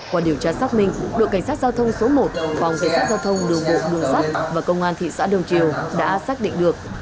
qua điều tra xác minh đội cảnh sát giao thông số một phòng cảnh sát giao thông đường bộ đường sắt và công an thị xã đông triều đã xác định được